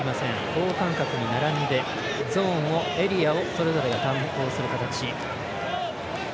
等間隔に並んでゾーンをエリアをそれぞれが担当する形。